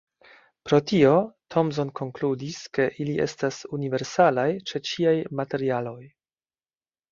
Pro tio, Thomson konkludis, ke ili estas universalaj ĉe ĉiaj materialoj.